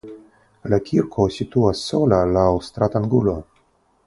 La kirko situas sola laŭ stratangulo.